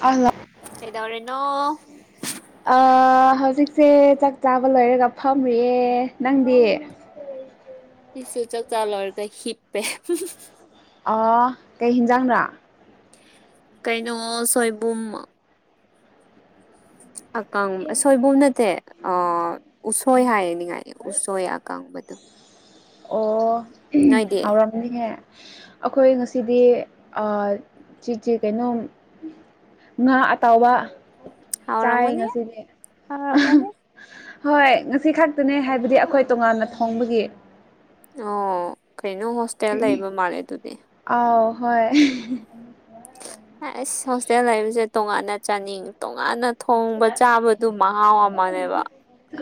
ꯂ ꯀꯩꯗꯧꯔꯦꯅꯣ ꯑ ꯍꯧꯖꯤꯛꯁꯦ ꯆꯥꯛ ꯆꯥꯕ ꯂꯣꯏꯔꯒ ꯐꯝꯔꯤꯌꯦ ꯅꯪꯗꯤ꯫ ꯇꯁ ꯆ ꯆꯥꯂꯔ ꯀ ꯍꯤꯞꯄꯦ ꯀꯩ ꯍꯤꯟꯖꯥꯡꯅ ꯀꯩꯅꯣ ꯁꯣꯏꯕꯨꯝ ꯑ ꯀꯥꯡ ꯁꯣꯏꯕꯨꯝ ꯅꯠꯇꯦ ꯑ ꯎꯁꯣꯏ ꯍꯥꯏꯔꯅꯤꯡꯉꯥꯏ ꯎꯁꯣꯏ ꯑꯀꯪꯕꯗꯣ ꯑꯣ ꯅꯣꯏꯗꯤ ꯅꯤꯡꯍꯦ ꯑꯩꯈꯣꯏ ꯉꯁꯤꯗꯤ ꯆꯤꯆꯤ ꯀꯩꯅꯣꯝ ꯉꯥ ꯑꯇꯥꯎꯕ ꯍꯥꯎ ꯔꯃꯅꯤ ꯁꯤꯅꯦ ꯑꯍꯝ ꯍꯣꯏ ꯉꯁꯤ ꯈꯛꯇꯅꯦ ꯍꯥꯏꯕꯗꯤ ꯑꯩꯈꯣꯏ ꯇꯣꯉꯥꯟꯅ ꯊꯣꯡꯕꯒꯤ ꯑꯣ ꯀꯩꯅꯣ ꯍꯣꯁꯇꯦꯜ ꯂꯩꯕ ꯃꯥꯜꯂꯦ ꯑꯗꯨꯗꯤ ꯑꯥꯎ ꯍꯣꯏ ꯑꯩꯁ ꯍꯣꯁꯇꯦꯜ ꯂꯩꯕꯁꯦ ꯇꯣꯉꯥꯟꯅ ꯆꯥꯅꯤꯡꯉꯤ ꯇꯣꯉꯥꯟꯅ ꯊꯣꯡꯕ ꯆꯥꯕꯗꯨ ꯃꯍꯥꯎ ꯑꯃꯅꯦꯕ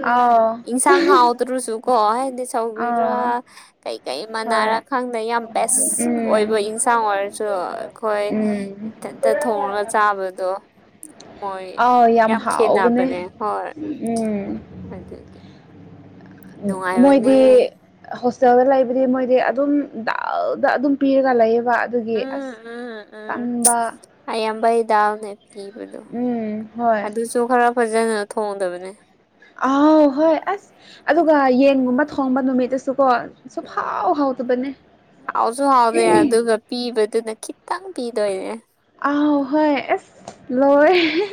ꯑ ꯏꯟꯁꯥꯡ ꯍꯥꯎꯗ꯭ꯔꯁꯨ ꯀꯣ ꯍꯥꯏꯗꯤ ꯑꯥꯎ ꯁꯧ꯭ꯔꯤꯔꯥ ꯀꯩꯀꯩ ꯍꯣꯏ ꯃꯅꯥꯔꯛ ꯈꯪꯗꯦ ꯌꯥꯝ ꯕꯦꯁꯛ ꯎꯝ ꯑꯣꯏꯕ ꯌꯦꯟꯁꯥꯡ ꯑꯣꯏꯔꯁꯨ ꯍꯣꯏ ꯎꯝ ꯏꯊꯟꯇ ꯊꯣꯡꯉꯒ ꯆꯥꯕꯗꯣ ꯃꯣꯏ ꯑꯥꯎ ꯌꯥꯝ ꯍꯥꯎꯕꯅꯦ ꯈꯦꯠꯅꯕꯅꯦ ꯍꯣꯏ ꯎꯝ ꯀꯃꯥꯏꯇꯧꯒꯦ ꯃꯣꯏꯗꯤ ꯍꯣꯁꯇꯦꯜꯗ ꯂ ꯍꯥꯏꯕꯗꯤ ꯃꯣꯏꯗꯤ ꯑꯗꯨꯝ ꯗꯗ ꯑꯗꯨꯝ ꯄꯤꯔꯒ ꯂꯩꯌꯦꯕ ꯑꯗꯨꯒꯤ ꯎꯝ ꯑꯁ ꯎꯝ ꯎꯝ ꯇꯟꯕ ꯑꯌꯥꯝꯕꯩ ꯗꯥꯜꯅꯦ ꯄꯤꯕꯗꯣ ꯎꯝ ꯍꯣꯏ ꯑꯗꯨꯁꯨ ꯈꯔ ꯐꯖꯅ ꯊꯣꯡꯗꯕꯅꯦ ꯑꯥꯎ ꯍꯣꯏ ꯑꯁ ꯑꯗꯨꯒ ꯌꯦꯟꯒꯨꯝꯕ ꯊꯣꯡꯕ ꯅꯨꯃꯤꯠꯇꯁꯨ ꯀꯣ ꯎꯝ ꯍꯥꯎꯁꯨ ꯍꯥꯎꯗꯦ ꯌꯥ ꯑꯗꯨꯒ ꯄꯤꯕꯗꯨꯅ ꯈꯤꯇꯪ ꯄꯤꯗꯣꯏꯅꯦ ꯑ ꯍ ꯍꯣꯏ ꯑꯦꯁ ꯂꯣꯏꯍꯦ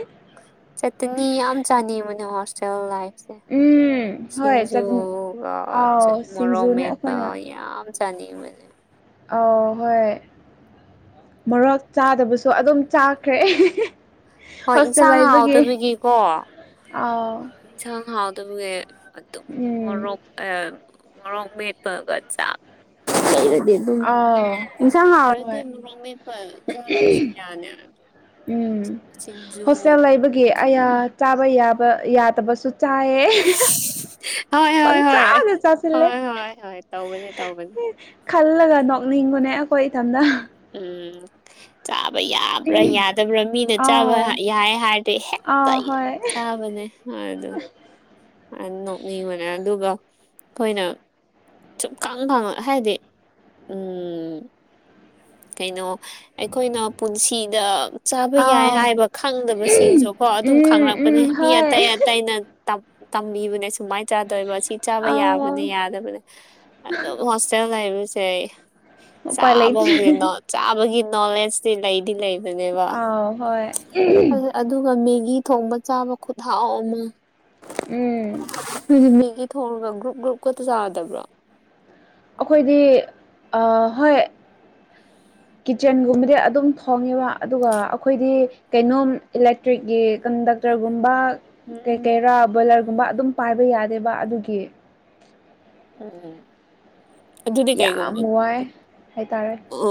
ꯆꯠꯇꯅꯤ ꯌꯥꯝ ꯆꯥꯅꯩ ꯃꯅꯦ ꯍꯣꯁꯇꯦꯜ ꯂꯥꯏꯐ ꯎꯝ ꯍꯣꯏ ꯆꯠꯅꯤ ꯁꯤꯡꯖꯨꯒ ꯑꯥꯎ ꯁꯤꯡꯖꯨꯅꯦ ꯃꯣꯔꯣꯃꯦꯦꯠꯄ ꯑꯩꯈꯣꯏꯅ ꯌꯥꯝ ꯆꯥꯅꯤꯡ ꯃꯟ ꯑ ꯍꯣꯏ ꯃꯣꯔꯣꯛ ꯆꯥꯗꯕꯁꯨ ꯑꯗꯨꯝ ꯆꯥꯈ꯭ꯔꯦ ꯍꯣꯏ ꯍꯣꯁꯇꯦꯜ ꯏꯟꯁꯥꯡ ꯂꯩꯕꯒꯤ ꯍꯥꯎꯗꯕꯒꯤꯀꯣ ꯑꯥꯎ ꯌꯦꯟꯁꯥꯡ ꯍꯥꯎꯗꯕꯒꯤ ꯑꯗꯨꯝ ꯎꯝ ꯃꯣꯔꯣꯛ ꯣꯃꯦꯠ ꯄꯒꯠ ꯆ ꯊ ꯂꯩꯔꯗꯤ ꯑꯗꯨꯝ ꯌꯦꯟꯁꯥꯡ ꯍꯥꯎꯔꯗꯤ ꯍꯣꯏ ꯑꯃꯃꯤ ꯆꯥꯗ꯭ꯔꯁꯨ ꯌꯥꯅꯤ ꯑꯗꯣ ꯎꯝ ꯁꯤꯡꯖꯨ ꯍꯣꯁꯇꯦꯜ ꯂꯩꯕꯒꯤ ꯑꯌꯥ ꯆꯥꯕ ꯌꯥꯕ ꯌꯥꯗꯕꯁꯨ ꯆꯌꯦ ꯍꯣꯏ ꯄꯪ ꯍꯣꯏ ꯆꯥ ꯍꯣꯏ ꯆꯁꯤ ꯂꯩꯦ ꯍꯣꯏ ꯍꯣꯏ ꯍꯣꯏ ꯇꯧꯕꯅꯦ ꯇꯧꯕꯅꯦ ꯈꯜꯂꯒ ꯅꯣꯛꯅꯤꯡꯕꯅꯦ ꯑꯩꯈꯣꯏ ꯏꯊꯝꯇ ꯎꯝ ꯆꯥꯕ ꯌꯥꯕ꯭ꯔꯥ ꯌꯥꯗꯕ꯭ꯔꯥ ꯃꯤꯅ ꯑꯥꯎ ꯆꯥꯕ ꯌꯥꯏ ꯍꯥꯏꯔꯗꯤ ꯍꯦꯛꯇ ꯑꯥꯎ ꯑꯩ ꯍꯣꯏ ꯆꯕꯅꯦ ꯍꯥꯎꯗꯨ꯫ ꯅꯣꯛꯅꯤ ꯑꯣꯏꯅ ꯑꯣꯏꯅ ꯑꯗꯨꯒ ꯑꯩꯈꯣꯏꯅ ꯁꯨꯝ ꯀꯪ ꯈꯉ ꯍꯥꯏꯗꯤ ꯎꯝ ꯀꯩꯅꯣ ꯑꯩꯈꯣꯏꯅ ꯄꯨꯟꯁꯤꯗ ꯆꯥꯕ ꯌꯥꯏ ꯑꯥꯎ ꯍꯥꯏꯕ ꯈꯪꯗꯕꯁꯤꯡꯁꯨ ꯀꯣ ꯑꯗꯨꯝ ꯎꯝ ꯈꯪꯪꯂꯛꯄꯅꯦ ꯎꯝ ꯃꯤ ꯍꯣꯏ ꯑꯇꯩ ꯑꯇꯩꯅ ꯇꯝꯕꯤꯕꯅꯦ ꯁꯨꯃꯥꯏꯅ ꯆꯥꯗꯣꯏꯕ ꯑꯁꯤ ꯆꯥꯕ ꯑꯥꯎ ꯌꯥꯕꯅꯦ ꯌꯥꯗꯕꯅꯦ ꯑꯗꯨꯝ ꯍꯣꯁꯇꯦꯜ ꯍꯥꯏꯕꯁꯦ ꯎꯄꯥꯏ ꯆꯥꯕ ꯂꯩꯇ꯭ꯔꯦ ꯆꯥꯕꯒꯤ ꯅꯣꯂꯦꯖꯇꯤ ꯂꯩꯗꯤ ꯂꯩꯕꯅꯦꯕ ꯑꯥꯎ ꯍꯣꯏ ꯑꯗꯨꯒ ꯃꯦꯒꯤ ꯊꯣꯡꯕ ꯆꯥꯕ ꯈꯨꯠꯊꯥꯎ ꯑꯃ ꯎꯝ ꯃꯦꯒꯤ ꯊꯣꯡꯒ ꯒ꯭ꯔꯨꯞ ꯒ꯭ꯔꯨꯞ ꯈꯇ ꯆꯥꯗꯕ꯭ꯔꯣ ꯑꯩꯈꯣꯏꯗꯤ ꯍꯣꯏ ꯀꯤꯠꯆꯟꯒꯨꯝꯕꯗꯤ ꯑꯗꯨꯝ ꯊꯣꯡꯉꯦꯕ ꯑꯗꯨꯒ ꯑꯩꯈꯣꯏꯗꯤ ꯀꯩꯅꯣꯝꯂ ꯦꯛꯇ꯭ꯔꯤꯛꯀꯤ ꯀꯟꯗꯛꯇꯔꯒꯨꯝꯕ ꯀꯩ ꯎꯝ ꯀꯩꯔꯥ ꯕꯣꯏꯂꯔꯒꯨꯝꯕ ꯑꯗꯨꯝ ꯄꯥꯏꯕ ꯌꯥꯗꯦꯕ ꯑꯗꯨꯒꯤ꯫ ꯎꯝ ꯑꯗꯨꯗꯤ ꯌꯥꯝ ꯀꯩꯒꯨꯝꯕ ꯋꯥꯏ ꯍꯥꯏꯇꯥꯔꯦ ꯑ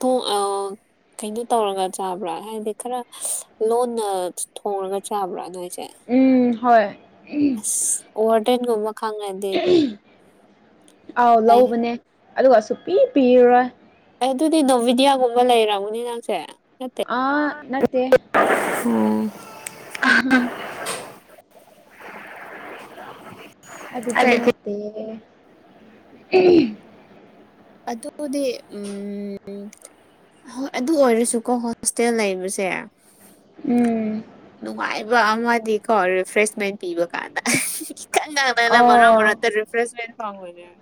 ꯇꯨꯡ ꯑ ꯀꯩꯅꯣ ꯇꯧꯔꯒ ꯆꯥꯕ꯭ꯔꯥ ꯍꯥꯏꯗꯤ ꯈꯔ ꯂꯣꯟꯅ ꯊꯣꯡꯉꯒ ꯆꯥꯕ꯭ꯔꯥ ꯅꯣꯏꯁꯦ ꯎꯝ ꯍꯣꯏ ꯑꯁ ꯑꯣꯔ ꯇꯥꯏꯟꯒꯃ ꯈꯪꯗꯤꯦ ꯑꯥꯎ ꯂꯧꯕꯅꯦ ꯑꯗꯨꯒ ꯁꯨꯛꯄꯤ ꯄꯤꯔꯔꯣꯏ ꯑꯗꯨꯗꯤ ꯅꯣꯚꯤꯗꯤꯌꯥꯒꯨꯝꯕ ꯂꯩꯔꯕꯅꯤ ꯅꯪꯁꯦ ꯅꯠꯇꯦ ꯑꯥ ꯑꯣ ꯑꯍꯥ ꯑꯗꯨꯗꯤ ꯅꯠꯇꯦ ꯎꯝ ꯑꯗꯣꯗꯤ ꯎꯝ ꯍꯣꯏ ꯑꯗꯨ ꯑꯣꯏꯔꯁꯨꯀꯣ ꯍꯣꯁꯇꯦꯜ ꯂꯩꯕꯁꯦ ꯎꯝ ꯅꯨꯡꯉꯥꯏꯕ ꯑꯃꯗꯤꯀꯣ ꯔꯤꯐ꯭ꯔꯦꯁꯃꯦꯟ ꯄꯤꯕ ꯀꯥꯟꯗ ꯈꯤꯇꯪ ꯀꯩꯅꯣ ꯑꯣ ꯃꯔꯛ ꯃꯔꯛꯇ ꯔꯤꯐ꯭ꯔꯦꯁꯃꯦꯟ ꯐꯪꯑꯣꯗꯔꯥ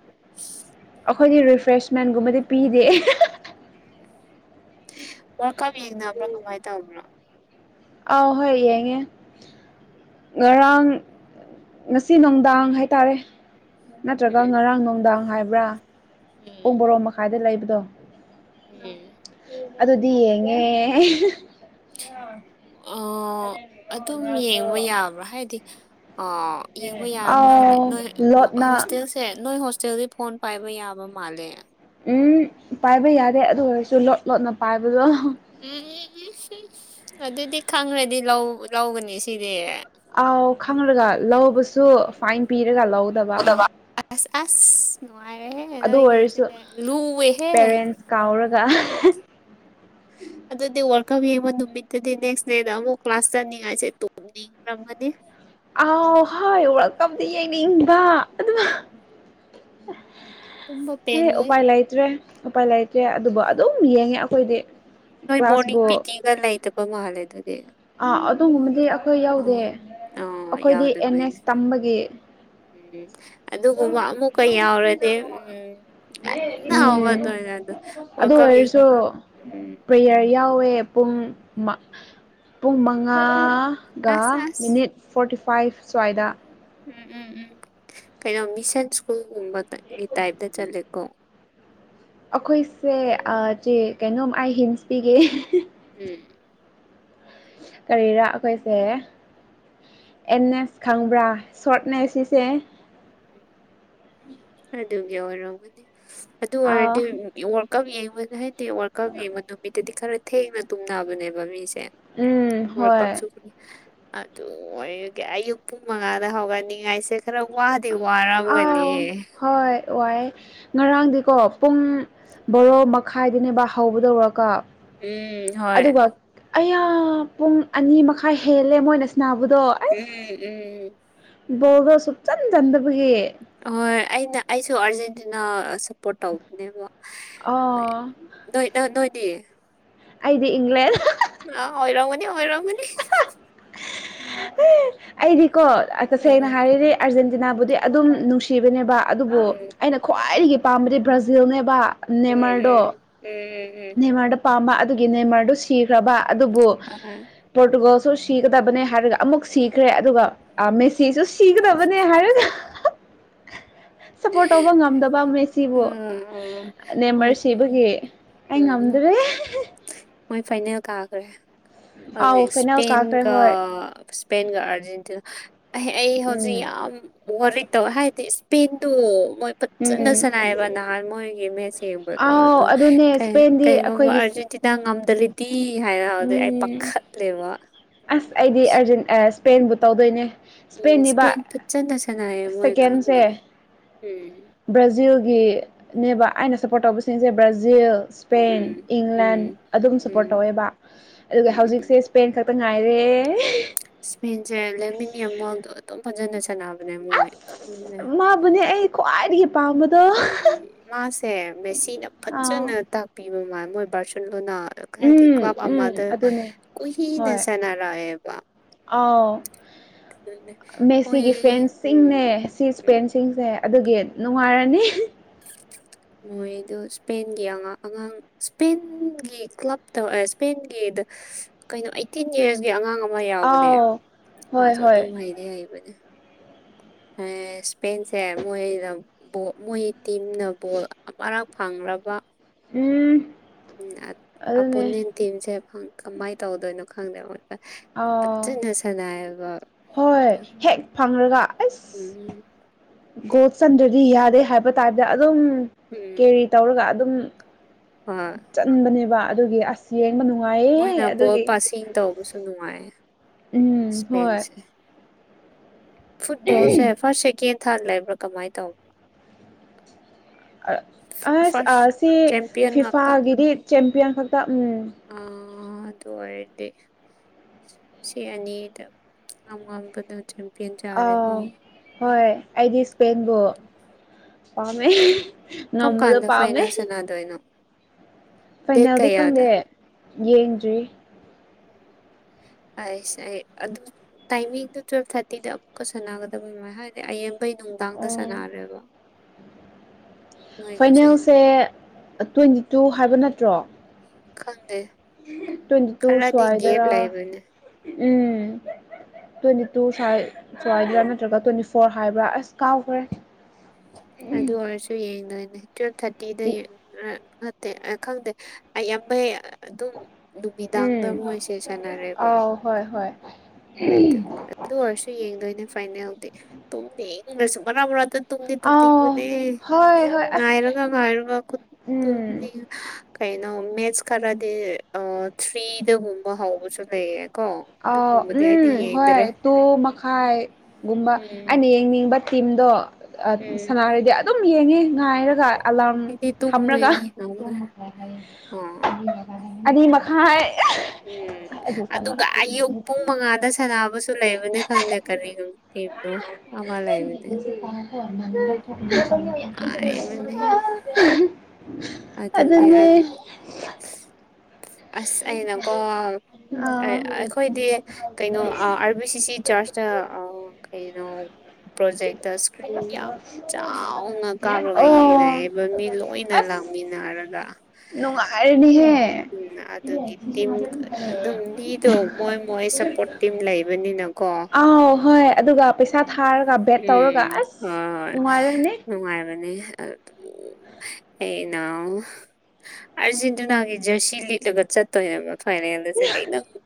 ꯑꯩꯈꯣꯏꯗꯤ ꯔꯤꯐ꯭ꯔꯦꯁꯃꯦꯟꯒꯨꯝꯕꯗꯤ ꯄꯤꯗꯦ ꯋꯥꯔꯀꯥꯞ ꯌꯦꯡꯅꯕ꯭ꯔꯥ ꯀꯃꯥꯏ ꯇꯧꯕ꯭ꯔꯥ ꯑꯥꯎ ꯍꯣꯏ ꯌꯦꯡꯉꯦ ꯉꯔꯥꯡ ꯉꯁꯤ ꯅꯨꯡꯗꯥꯡ ꯍꯥꯏꯇꯥꯔꯦ ꯅꯠꯇ꯭ꯔꯒ ꯉꯔꯥꯡ ꯅꯨꯡꯗꯥꯡ ꯍꯥꯏꯕ꯭ꯔꯥ ꯄꯨꯡ ꯎꯝ ꯕꯣꯔꯣ ꯃꯈꯥꯏꯗ ꯂꯩꯕꯗꯣ ꯎꯝ ꯑꯗꯨꯗꯤ ꯌꯦꯡꯉꯦ꯫ ꯑꯣ ꯑꯗꯨꯝ ꯌꯦꯡꯕ ꯌꯥꯕ꯭ꯔꯥ ꯍꯥꯏꯗꯤ ꯑ ꯌꯦꯡꯕ ꯌꯥꯔꯕ꯭ꯔꯣ ꯍꯥꯏꯗꯤ ꯑꯥꯎ ꯅꯣꯏ ꯂꯣꯠꯅ ꯍꯣꯁꯇꯦꯜ ꯁꯦ ꯅꯣꯏ ꯍꯣꯁꯇꯦꯜꯗꯤ ꯐꯣꯟ ꯄꯥꯏꯕ ꯌꯥꯕ ꯃꯥꯜꯂꯦ ꯎꯝ ꯄꯥꯏꯕ ꯌꯥꯗꯦ ꯑꯗꯨ ꯑꯣꯏꯔꯁꯨ ꯂꯣꯠ ꯂꯣꯠꯅ ꯄꯥꯏꯕꯗꯣ ꯎꯝ ꯎꯝ ꯎ ꯑꯗꯨꯗꯤ ꯈꯪꯈ꯭ꯔꯗꯤ ꯂꯧꯒꯅꯤ ꯁꯤꯗꯤ ꯑꯥꯎ ꯈꯪꯪꯂꯒ ꯂꯧꯕꯁꯨ ꯐꯥꯏꯟ ꯄꯤꯔꯒ ꯂꯧ ꯎꯗꯕ ꯑꯁ ꯑꯁ ꯅꯨꯡꯉꯥꯏꯔꯦꯍꯦ ꯑꯗꯨ ꯅꯣꯏꯒꯤꯁꯦ ꯑꯣꯏꯔꯁꯨ ꯂꯨꯑꯦꯍꯦ ꯄꯦꯔꯦꯟꯁ ꯀꯥꯎꯔꯒ ꯑꯗꯨꯗꯤ ꯋꯥꯔꯀꯞ ꯌꯦꯡꯕ ꯅꯨꯃꯤꯠꯇꯨꯗꯤ ꯅꯦꯛꯁ ꯗꯦꯗ ꯑꯃꯨꯛ ꯀ꯭ꯂꯥꯁ ꯆꯠꯅꯤꯡꯉꯥꯏꯁꯦ ꯇꯨꯝꯅꯤꯡ ꯌꯦꯡꯂꯃꯒꯅꯤ ꯑꯥꯎ ꯍꯣꯏ ꯋꯥꯔꯜ ꯀꯞꯇ ꯌꯦꯡꯅꯤꯡꯕ ꯑꯗꯨꯒ ꯇꯨꯝꯕ ꯑꯦ ꯄꯦꯟꯂꯣꯏ ꯎꯄꯥꯏ ꯂꯩꯥꯏꯇ꯭ꯔꯦ ꯎꯄꯥꯏ ꯂꯩꯇ꯭ꯔꯦ ꯑꯗꯨꯕꯨ ꯑꯗꯨꯝ ꯌꯦꯡꯉꯦ ꯑꯩꯈꯣꯏꯗꯤ ꯅꯣꯏ ꯃꯣꯔꯅꯤꯡ ꯀ꯭ꯂꯥꯁꯕꯨ ꯄꯤ ꯇꯤꯒ ꯂꯩꯇꯕ ꯃꯥꯜꯂꯦ ꯑꯗꯨꯗꯤ ꯑꯥ ꯑꯗꯨꯒꯨꯝꯕꯗꯤ ꯑꯩꯈꯣꯏ ꯌꯥꯎꯗꯦ ꯑꯣ ꯑꯣ ꯑꯩꯈꯣꯏꯗꯤ ꯑꯦꯟ ꯌꯥꯎꯗꯕꯅꯦ ꯑꯦꯁ ꯇꯝꯕꯒꯤ ꯎꯝ ꯑꯗꯨꯒꯨꯝꯕ ꯑꯃꯨꯛꯀ ꯌꯥꯎꯔꯗꯤ ꯎꯝ ꯉꯟꯅ ꯎꯝ ꯍꯧꯒꯠꯇꯣꯏꯅꯦ ꯑꯗꯨ ꯑꯣꯏꯔꯁꯨ꯫ ꯎ ꯄ꯭ꯔꯦꯌꯔ ꯌꯥꯎꯋꯦ ꯄꯨꯡ ꯃꯥ ꯄꯨꯡ ꯃꯉꯥꯒ ꯑꯁ ꯑꯁ ꯃꯤꯅꯤꯠ ꯐꯣꯔꯇꯤ ꯐꯥꯏꯚ ꯁ꯭ꯋꯥꯏꯗ ꯎꯝ ꯎꯝ ꯎꯝ ꯀꯩꯅꯣ ꯃꯤꯁꯟ ꯁ꯭ꯀꯨꯜꯒꯨꯝꯕꯗꯒꯤ ꯇꯥꯏꯞꯇ ꯆꯠꯂꯦꯀꯣ ꯑꯩꯈꯣꯏꯁꯦ ꯑꯥ ꯆꯦ ꯀꯩꯅꯣꯝ ꯑꯩꯥ ꯍꯤꯟꯁ ꯄꯤꯒꯦ ꯎꯝ꯫ ꯀꯔꯤꯔꯥ ꯑꯩꯈꯣꯏꯁꯦ ꯑꯦꯟꯅꯦꯁ ꯈꯪꯕ꯭ꯔꯥ ꯁꯣꯔꯠꯅꯦ ꯁꯤꯁꯦ ꯎꯝ ꯑꯗꯨꯒꯤ ꯑꯣꯏꯔꯝꯒꯗꯤ ꯑꯗꯨ ꯑꯥ ꯑꯣꯏꯔꯗꯤ ꯑꯣꯔ ꯀꯞ ꯌꯦꯡꯕ ꯍꯥꯏꯗꯤ ꯑꯣꯔ ꯀꯞ ꯌꯦꯡꯕ ꯅꯨꯃꯤꯠꯇꯗꯤ ꯈꯔ ꯊꯦꯡꯅ ꯇꯨꯝꯅꯕꯅꯦꯕ ꯃꯤꯁꯦ ꯎꯝ ꯍꯣꯏ ꯋꯥꯜꯀꯞꯁꯨ꯫ ꯑꯗꯨ ꯑꯣꯏꯔꯒ ꯑꯌꯨꯛ ꯄꯨꯡ ꯃꯉꯥꯗ ꯍꯧꯒꯅꯤꯡꯉꯥꯏꯁꯦ ꯈꯔ ꯋꯥꯗꯤ ꯑꯥꯎ ꯋꯥꯔꯝꯒꯅꯤ ꯍꯣꯏ ꯋꯥꯥꯏꯑꯦ ꯉꯔꯥꯡꯗꯤꯀꯣ ꯄꯨꯡ ꯕꯣꯔꯣ ꯃꯈꯥꯏꯗꯅꯦꯕ ꯍꯧꯕꯗꯧꯔꯀ ꯎꯝ ꯍꯣꯏ ꯑꯗꯨ ꯑꯌꯥ ꯄꯨꯡ ꯑꯅꯤ ꯃꯈꯥꯏ ꯍꯦꯜꯂꯦ ꯃꯣꯏꯅ ꯁꯅꯥꯕꯗꯣ ꯎꯝ ꯎꯝ ꯒꯣꯜꯗꯣ ꯁꯨꯛꯆꯟ ꯆꯟꯗꯕꯒꯤ ꯍꯣꯏ ꯑꯩꯅ ꯑꯩꯁꯨ ꯑꯥꯔꯖꯦꯟꯇꯤꯅꯥ ꯁꯞꯄꯣꯔꯠ ꯇꯧꯕꯅꯦꯕ ꯃꯣꯏ ꯑꯣ ꯅꯣꯏ ꯅꯣꯏ ꯅꯣꯏꯗꯤ ꯑꯩꯗꯤ ꯏꯪ꯭ꯂꯟ ꯑꯥꯎ ꯑꯣꯏꯔꯝꯒꯅꯤ ꯑꯣꯏꯔꯝ [inaudible] ꯑꯦ ꯑꯩꯗꯤꯀꯣ ꯇꯁꯦꯡꯅ ꯎꯝ ꯍꯥꯏꯔꯔꯦ ꯑꯥꯔꯖꯦꯟꯇꯤꯅꯥꯕꯨꯗꯤ ꯑꯗꯨꯝ ꯅꯨꯡꯁꯤ ꯁꯤꯕꯅꯦꯕ ꯑꯗꯨꯕꯨ ꯎꯝ ꯑꯩꯅ ꯈ꯭ꯋꯥꯏꯗꯒꯤ ꯄꯥꯝꯕꯗꯤ ꯕ꯭ꯔꯥꯖꯤꯜꯅꯦꯕ ꯎꯝ ꯎꯝ ꯎꯝꯝ ꯅꯃꯔꯗ ꯄꯥꯝꯕ ꯑꯗꯨꯒꯤ ꯅꯦꯃꯔꯗꯨ ꯁꯤꯈ꯭ꯔꯕ ꯑꯗꯨꯕꯨ ꯑꯍꯣꯏ ꯄꯣꯔꯇꯨꯒꯜꯁꯨ ꯁꯤꯒꯗꯕꯅꯦ ꯍꯥꯏꯔꯒ ꯑꯃꯨꯛ ꯁꯤꯈ꯭ꯔꯦ ꯑꯗꯨꯒ ꯑ ꯃꯁꯤꯁꯨꯁꯨ ꯁꯤꯒꯗꯕꯅꯦ ꯍꯥꯏꯔꯒ ꯁꯞꯄꯣꯔꯠ ꯇꯧꯕ ꯉꯝꯗꯕ ꯑꯃ ꯎ ꯍꯣꯏ ꯏꯕꯒꯤ ꯑꯩ ꯉꯝꯗ꯭ꯔꯦ ꯃꯣꯏ ꯐꯥꯏꯅꯦꯜ ꯀꯥꯈ꯭ꯔꯦ ꯑꯥꯎ ꯍꯧꯖꯤꯛ ꯐꯥꯏꯅꯦꯜ ꯀꯥꯈ꯭ꯔꯦ ꯏꯁꯄꯦꯟꯒ ꯍꯣꯏ ꯏꯁꯄꯦꯟꯒ ꯑꯔꯖꯦꯟꯇꯤꯅꯥ꯫ ꯑꯩ ꯍꯧꯖꯤꯛ ꯎꯝ ꯌꯥꯝ ꯋꯥꯔꯤ ꯇꯧꯋꯦ ꯍꯥꯏꯗꯤ ꯏꯁꯄꯦꯟꯗꯣ ꯃꯣꯏ ꯐꯖꯅ ꯎꯝ ꯁꯅꯥꯏꯑꯦꯕ ꯅꯍꯥꯟ ꯃꯣꯏꯒꯤ ꯃꯦꯠꯁ ꯌꯦꯡꯕꯗꯣ ꯑꯥꯎ ꯑꯗꯨ ꯑꯗꯨꯅꯦ ꯏꯁꯄꯦꯟꯗꯤ ꯀꯩꯒꯨꯝꯕ ꯑꯩꯈꯣꯏꯒꯤ ꯑꯔꯖꯦꯟꯇꯤꯅ꯫ ꯁꯤꯗ ꯉꯝꯗꯂꯤꯗꯤ ꯍꯥꯏꯔ ꯍꯥꯏꯗꯤ ꯑꯩ ꯎꯝ ꯄꯥꯈꯠꯂꯦꯕ꯫ ꯑꯁ ꯑꯩꯗꯤ ꯑꯥꯔꯖꯦꯟ ꯁ꯭ꯄꯦꯟꯕꯨ ꯇꯧꯗꯣꯏꯅꯦ ꯎꯝ ꯏꯁꯄꯦꯟꯅꯤꯕ ꯏꯁꯄꯦꯟ ꯐꯠꯆꯟꯅ ꯁꯉꯥꯏꯌꯦ ꯃꯣꯏ ꯁꯦꯀꯦꯟꯁꯦ ꯈꯪꯗꯦ ꯎꯝ ꯕ꯭ꯔꯥꯖꯤꯜꯒꯤꯅꯦꯕ ꯑꯩꯅ ꯁꯞꯄꯣꯔꯠ ꯇꯧꯕꯁꯤꯡꯁꯦ ꯕ꯭ꯔꯥꯖꯤꯜ꯫ ꯁ꯭ꯄꯦꯟ ꯎꯝ ꯏꯪꯂꯦꯟ ꯎꯝ ꯑꯗꯨꯝ ꯁꯞꯄꯣꯔꯠ ꯎꯝ ꯇꯧꯋꯦꯕ ꯑꯗꯨꯒ ꯍꯧꯖꯤꯛꯁꯦ꯫ ꯁ꯭ꯄꯦꯟ ꯈꯛꯇ ꯉꯥꯏꯔꯦ ꯏꯁꯄꯦꯟꯁꯦ ꯂꯦꯃꯤꯟ ꯌꯃꯥꯜꯗꯣ ꯑꯗꯨꯝ ꯐꯖꯅ ꯁꯥꯟꯅꯕꯅꯦ ꯃꯣꯏ ꯈꯪꯗꯦ ꯃꯥꯕꯨꯅꯦ ꯑꯩ ꯈ꯭ꯋꯥꯏꯗꯒꯤ ꯄꯥꯝꯕ ꯎꯝ ꯃꯥꯁꯦ ꯃꯦꯁꯤꯅ ꯑꯥꯎ ꯐꯖꯅ ꯇꯥꯛꯄꯤꯕ ꯃꯥꯜ ꯃꯣꯏ ꯕꯥꯔꯁꯦꯂꯣꯅꯥ ꯍꯥꯏꯗꯤ ꯎꯝ ꯀ꯭ꯂꯕ ꯎꯝ ꯑꯃꯗ ꯑꯗꯨꯅꯦ ꯀꯨꯏꯅ ꯍꯣꯏ ꯁꯟꯅꯔꯛꯑꯦꯕ꯫ ꯑꯥꯎ ꯃꯣꯏ ꯃꯦꯁꯤꯒꯤ ꯎꯝ ꯐꯦꯟꯁꯤꯡꯅꯦ ꯁꯤꯒꯤ ꯎꯝ ꯏꯁꯄꯦꯟꯁꯤꯡꯁꯦ꯫ ꯑꯗꯨꯒꯤ ꯅꯨꯡꯉꯥꯏꯔꯅꯤ ꯃꯣꯏ ꯑꯗꯨ ꯏꯁꯄꯦꯟꯒꯤꯥ ꯑꯉꯥꯡ ꯏꯁꯄꯦꯟꯒꯤ ꯀ꯭ꯂꯕꯇ ꯏꯁꯄꯦꯟꯒꯤꯗ ꯀꯩꯅꯣ ꯑꯩꯇꯤꯟ ꯏꯔꯁꯀꯤ ꯑꯉꯥꯡ ꯑꯃ ꯌꯥꯎꯕꯅꯦ ꯑꯥꯎ ꯍꯣꯏ ꯃꯥꯁꯨ ꯍꯣꯏ ꯑꯗꯨꯝ ꯍꯩꯗꯤ ꯍꯩꯕꯅꯦ ꯏꯁꯄꯦꯟꯁꯦ ꯃꯣꯏꯅ ꯃꯣꯏ꯫ ꯇꯤꯝꯅ ꯕꯣꯜ ꯑꯃꯔꯛ ꯐꯪꯂꯕ ꯎꯝ ꯎꯝ ꯑꯗꯨꯅꯦ ꯑꯄꯣꯅꯦꯟ ꯇꯤꯝꯁꯦ ꯀꯃꯥꯏꯅ ꯇꯧꯗꯣꯏꯅꯣ ꯈꯪꯗꯦ ꯃꯣꯏ ꯑꯥꯎ ꯐꯖꯅ ꯁꯅꯥꯏꯌꯦꯕ ꯍꯣꯏ ꯍꯦꯛ ꯐꯪꯔꯒ ꯑꯁ ꯎꯝ꯫ ꯒꯣꯜ ꯆꯟꯗ꯭ꯔꯗꯤ ꯌꯥꯗꯦ ꯍꯥꯏꯕ ꯇꯥꯏꯞꯇ ꯑꯗꯨꯝ ꯎꯝ ꯀꯦꯔꯤ ꯇꯧꯔꯒ ꯑꯗꯨꯝ [unintelligible] ꯆꯟꯕꯅꯦꯕ ꯑꯗꯨꯒꯤ ꯑꯁ꯫ ꯌꯦꯡꯕ ꯅꯨꯡꯉꯥꯏꯌꯦꯍꯦ ꯃꯣꯏꯅ ꯕꯣꯜ ꯑꯗꯨꯒꯤ ꯄꯥꯁꯤꯡ ꯇꯧꯕꯁꯨ ꯅꯨꯡꯉꯥꯏ ꯎꯝ ꯍꯣꯏ꯫ ꯏꯁꯄꯦꯟꯁꯦ ꯐꯨꯠꯕꯣꯜꯁꯦ ꯐꯥꯔꯁ ꯁꯦꯀꯦꯟ ꯊꯥꯔꯠ ꯂꯩꯕ꯭ꯔꯥ ꯀꯃꯥꯏꯅ ꯇꯧ꯫ ꯑꯁ ꯑꯥꯁꯤ ꯆꯦꯝꯄꯤꯌꯟ ꯉꯥꯛꯇ ꯐꯤꯐꯥꯒꯤꯗꯤ ꯆꯦꯝꯄꯤꯌꯟ ꯈꯛꯇ ꯎꯝ ꯑ ꯑꯗꯨ ꯑꯣꯏꯔꯗꯤ꯫ ꯁꯤ ꯑꯅꯤꯗ ꯑꯉꯝꯕꯗꯨ ꯆꯦꯝ ꯑ ꯍꯣꯏ ꯑꯩꯗꯤ ꯏꯁꯄꯦꯟꯕꯨ ꯄꯥꯝꯃꯦ ꯉꯝꯕꯗ ꯄꯥꯝꯃꯦ ꯑꯗꯣꯏꯅꯣ꯫ ꯐꯥꯏꯅꯦꯜꯗꯤ ꯈꯪꯗꯦ ꯌꯦꯡꯗ꯭ꯔꯤ꯫ ꯑꯩꯁ ꯑꯩ ꯑꯗꯨ ꯇꯥꯏꯃꯤꯡꯗꯣ ꯇꯨꯋꯦꯜꯞ ꯊꯥꯔꯇꯤꯗ ꯑꯃꯨꯛꯀ ꯁꯥꯟꯅꯒꯗꯕ ꯃ ꯍꯥꯏ ꯗꯤ ꯑꯌꯦꯝꯕꯩ ꯅꯨꯡꯗꯥꯡꯗ ꯑꯣ ꯁꯥꯟꯅꯔꯦꯕ꯫ ꯅꯣꯏꯒꯤꯁꯦ ꯐꯥꯏꯅꯦꯜꯁꯦ ꯇ꯭ꯋꯦꯟꯇꯤ ꯇꯨ ꯍꯥꯏꯕ ꯅꯠꯇ꯭ꯔꯣ꯫ ꯈꯪꯗꯦ ꯇ꯭ꯋꯦꯟꯇꯤ ꯇꯨ ꯈꯔꯗꯤ ꯒꯦꯞ ꯁꯋꯥꯏꯗꯔꯥ ꯂꯩꯕꯅꯦ ꯎꯝ꯫ ꯇ꯭ꯋꯦꯟꯇꯤ ꯇꯨ ꯁꯥꯏ ꯁ꯭ꯋꯥꯏꯗ꯭ꯔꯥ ꯅꯠꯇ꯭ꯔꯒ ꯇ꯭ꯋꯦꯟꯇꯤ ꯐꯣꯔ ꯍꯥꯏꯕ꯭ꯔꯥ ꯑꯁ ꯀꯥꯎꯈ꯭ꯔꯦ꯫ ꯑꯗꯨ ꯑꯣꯏꯔꯁꯨ ꯌꯦꯡꯗꯣꯏꯅꯦ ꯇꯨꯋꯦꯜꯞ ꯊꯥꯔꯇꯤꯗ [unintelligible] ꯈꯪꯗꯦ ꯑꯩꯌꯥꯝꯕꯩ ꯑꯗꯨꯝ꯫ ꯅꯨꯃꯤꯗꯥꯡꯗ ꯎꯝ ꯃꯣꯏꯁꯦ ꯁꯥꯟꯅꯔꯦꯕ ꯑꯥꯎ ꯍꯣꯏ ꯍꯣꯏ ꯑꯗꯨ ꯑꯗꯨ ꯑꯣꯏꯔꯁꯨ ꯌꯦꯡꯗꯣꯏꯅꯦ ꯐꯥꯏꯅꯦꯜꯗꯤ ꯇꯨꯝꯅꯤꯡꯂꯁꯨ ꯃꯔꯥꯛ ꯃꯔꯥꯛꯇ ꯇꯨꯝ ꯑꯥꯎ ꯇꯨꯝꯅꯤꯡꯕꯅꯦ ꯍꯣꯏ ꯍꯣꯏ ꯑꯁ ꯉꯥꯏꯔꯒ ꯉꯥꯏꯔꯒ ꯈꯨ ꯎꯝ ꯇꯨꯝꯅꯤꯡ ꯀꯩꯅꯣ ꯃꯦꯠꯁ ꯈꯔꯗꯤ ꯑ ꯊ꯭ꯔꯤꯗꯒꯨꯝꯕ ꯍꯧꯕꯁꯨ ꯂꯩꯌꯦ ꯑꯥꯎ ꯎꯝ ꯍꯣꯏ ꯇꯨ ꯃꯈꯥꯏꯒꯨꯝꯕ ꯎꯝ ꯑꯩꯅ ꯌꯦꯡꯅꯤꯡꯕ꯫ ꯇꯤꯝꯗꯣ ꯎꯝ ꯁꯅꯥꯔꯗꯤ ꯑꯗꯨꯝ ꯌꯦꯡꯉꯦ ꯉꯥꯏꯔꯒ ꯑꯂꯥꯔꯝ ꯑꯩꯗꯤ ꯊꯝꯂꯒ ꯇꯨꯝꯃꯒꯤ ꯇꯧꯕꯅꯦ ꯑꯥ ꯑꯅꯤ ꯃꯈꯥꯏ ꯎꯝ ꯑꯗꯨ ꯁꯥꯟꯅ ꯑꯗꯨꯒ ꯑꯌꯨꯛ ꯄꯨꯡ ꯃꯉꯥꯗ ꯁꯥꯟꯅꯕꯁꯨ ꯂꯩꯕꯅꯤ ꯈꯪꯗꯦ ꯀꯔꯤ ꯇꯤꯝꯅꯣ ꯑꯃ ꯂꯩꯕꯅꯦ꯫ ꯅꯨꯡꯉꯥꯏꯕꯅꯦ [unintelligible] ꯑꯗꯨꯅꯦ꯫ ꯑꯁ ꯑꯩꯅꯀꯣ ꯑ ꯑꯩꯈꯣꯏꯗꯤ ꯀꯩꯅꯣ ꯑꯥꯔꯕꯤ ꯁꯤ ꯁꯤ꯫ ꯆꯥꯖ ꯇ ꯑ ꯀꯩꯅꯣ ꯄ꯭ꯔꯣꯖꯦꯛꯇ ꯏꯁꯀ꯭ꯔꯤꯟ ꯌꯥꯝ ꯆꯥꯎꯅ ꯀꯥꯞꯂꯒ ꯌꯦꯡꯅꯩ ꯑꯣ ꯃꯤ ꯂꯣꯏꯅ ꯂꯥꯛꯃꯤꯟꯅꯔꯒ꯫ ꯅꯨꯡꯉꯥꯏꯔꯦꯅꯤꯍꯦ ꯑꯗꯨꯒꯤ ꯇꯤꯝ ꯑꯗꯨꯝ ꯃꯤꯗꯣ ꯃꯣꯏ ꯃꯣꯏ ꯁꯞꯄꯣꯔꯠ ꯇꯤꯝ ꯂꯩꯕꯅꯤꯅꯀꯣ [unintelligible] ꯑꯥꯎ ꯍꯣꯏ ꯑꯗꯨꯒ ꯄꯩꯁꯥ ꯊꯥꯔꯒ ꯕꯦꯠ ꯇꯧꯔꯒ ꯎꯝ ꯑꯁ ꯅꯨꯡꯉꯥꯏꯔꯅꯤ ꯍꯣꯏ ꯍꯣꯏ ꯅꯨꯡꯉꯥꯏꯕꯅꯤ ꯀꯩꯅꯣ꯫ ꯑꯥꯔꯖꯦꯟꯇꯤꯅꯥꯒꯤ ꯖꯔꯁꯤ ꯂꯤꯠꯂꯒ ꯆꯠꯇꯣꯏꯅꯦꯕ ꯐꯥꯏꯅꯦꯜꯗꯁꯦ ꯀ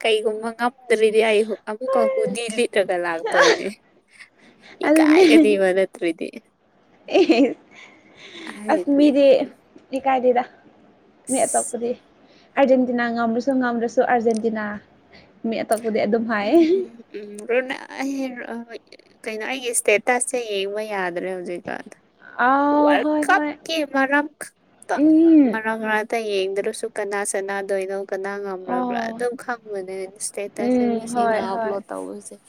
ꯀꯩꯒꯨꯝꯕ ꯇꯜꯂꯗꯤ ꯑꯩ ꯑꯃꯨꯛꯀ ꯍꯨꯗꯤ ꯂꯤꯠꯂꯒ ꯂꯥꯛꯇꯣꯏꯅꯦ ꯏꯀꯥꯏꯒꯅꯤꯕ ꯅꯠꯇꯔꯗꯤ ꯑꯦꯍꯦ ꯑꯁ ꯍꯥꯏꯗꯤ ꯃꯤꯗꯤ ꯏꯀꯥꯏ ꯗꯦꯗ ꯅꯦꯠ ꯑꯁ ꯇꯞꯄꯗꯤ꯫ ꯑꯥꯔꯖꯦꯟꯇꯤꯅꯥ ꯉꯝꯔꯁꯨ ꯉꯝꯗ꯭ꯔꯁꯨ ꯑꯥꯔꯖꯦꯟꯇꯤꯅꯥ ꯃꯤ ꯑꯇꯣꯞꯄꯗꯤ ꯑꯗꯨꯝ ꯍꯥꯏ ꯎꯝ ꯎꯝ ꯎꯝ ꯑꯍꯣꯏ ꯀꯩꯅꯣ ꯑꯩꯒꯤ ꯏꯁꯇꯦꯇꯁꯁꯦ ꯌꯦꯡꯕ ꯌꯥꯗ꯭ꯔꯦ ꯍꯧꯖꯤꯛꯀꯥꯟꯗ ꯑꯥꯎ ꯋꯥꯔ ꯍꯣꯏ ꯀꯞ ꯍꯣꯏ ꯀꯤ ꯃꯔꯝ꯫ ꯎꯝ ꯃꯔꯥꯛ ꯃꯔꯥꯛꯇ ꯌꯦꯡꯗ꯭ꯔꯁꯨ ꯀꯅꯥ ꯁꯅꯥꯗꯣꯏꯅꯣ ꯀꯅꯥ ꯉꯝ꯫ ꯎꯕ꯭ꯔꯥ ꯑꯣ ꯑꯗꯨꯝ ꯈꯪꯕꯅꯦ ꯏꯁꯇꯦꯇꯁ꯫ ꯎꯝ ꯍꯣꯏ ꯍꯣꯏ ꯇꯧꯔꯁꯦ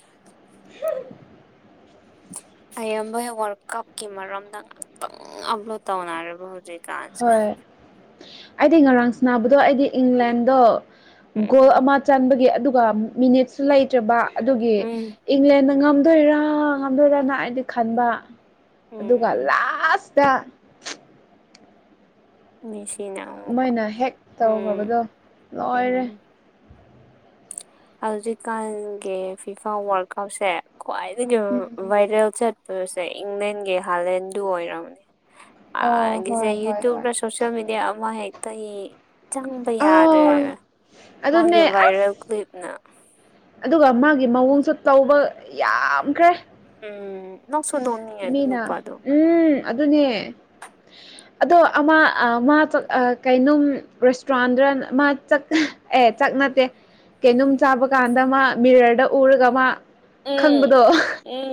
ꯑꯌꯥꯝꯕꯩ ꯋꯥꯔꯜ ꯀꯞꯀꯤ ꯃꯔꯝꯗ ꯉꯥꯛꯇꯪ ꯑꯞꯂꯣꯠ ꯇꯧꯅꯔꯦꯕ ꯍꯧꯖꯤꯛ ꯍꯣꯏ ꯑꯩꯗꯤ ꯉꯔꯥꯡ ꯁꯤꯕꯗꯣ ꯑꯩꯗꯤ ꯏꯪꯂꯦꯟꯗꯣ꯫ ꯒꯣꯜ ꯎꯝ ꯑꯃ ꯆꯟꯕꯒꯤ ꯑꯗꯨꯒ ꯃꯤꯅꯤꯠꯁꯨ ꯂꯩꯇ꯭ꯔꯕ ꯑꯗꯨꯒꯤ ꯎꯝ ꯏꯪꯂꯦꯟꯗ ꯉꯝꯗꯣꯏꯔꯥ ꯉꯝꯗꯣꯏꯔꯅ ꯍꯥꯏꯗꯤ ꯈꯟꯕ ꯑꯗꯨꯒ ꯎꯝ ꯂꯥꯁ ꯆꯥ ꯃꯦꯁꯤꯅꯥ꯫ ꯃꯣꯏꯅ ꯍꯦꯛ ꯇꯧꯈ꯭ꯔꯕꯗꯣ ꯂꯣꯏꯔꯦ꯫ ꯎꯝ ꯍꯧꯖꯤꯛꯀꯥꯟꯒꯤ ꯐꯤꯐꯥ ꯋꯥꯜꯀꯞꯁꯦ ꯈ꯭ꯋꯥꯏꯗꯒꯤ ꯚꯥꯏꯔꯦꯜ ꯆꯠ꯫ ꯑꯗꯨꯁꯦ ꯏꯪꯂꯦꯟꯒꯤ ꯍꯥꯂꯦꯟꯗꯨ ꯑꯣꯏꯔꯝꯅꯦ ꯑ ꯑꯗꯒꯤꯁꯦ ꯍꯣꯏ ꯍꯣꯏ ꯍꯣꯏ ꯌꯨꯇꯨꯌꯨꯞꯔ ꯁꯣꯁꯤꯦꯜ ꯃꯦꯗꯤꯌꯥ ꯑꯃ ꯍꯦꯛꯇ ꯌꯦꯡ ꯆꯪꯕ ꯌꯥꯗꯔꯦ꯫ ꯑꯥꯎ ꯃꯥꯒꯤ ꯑꯗꯨꯅꯦ ꯑꯁ ꯚꯥꯏꯔꯦꯜ ꯀ꯭ꯂꯤꯞꯅ ꯑꯗꯨꯒ ꯃꯥꯒꯤ ꯃꯑꯣꯡꯁꯨ ꯇꯧꯕ ꯌꯥꯝꯈ꯭ꯔꯦ ꯎꯝ ꯅꯣꯛꯁꯨ ꯅꯣꯛꯅꯤꯡꯉꯦ ꯑꯗꯨ ꯃꯤꯅ ꯅꯨꯄꯥꯗꯣ ꯎꯝ ꯑꯗꯨꯅꯦ꯫ ꯑꯗꯣ ꯑꯃ ꯃꯥ ꯀꯩꯅꯣꯝ ꯔꯦꯁꯇꯨꯔꯥꯟꯗ ꯃꯥ ꯆꯠ ꯑꯦ ꯆꯥꯛ ꯅꯠꯇꯦ ꯀꯩꯅꯅꯨꯡꯝ ꯆꯥꯕ ꯀꯥꯟꯗ ꯃꯥ ꯃꯤꯔꯔꯗ ꯎꯔꯒ ꯃꯥ ꯈꯪꯕꯗꯣ꯫ ꯎꯪ꯫